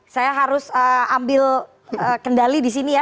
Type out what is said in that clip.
saya harus ambil kendali disini ya